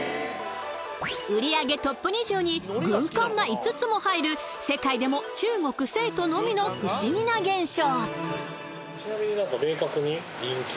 売り上げベスト２０に軍艦が５つも入る世界でも中国・成都のみの不思議な現象。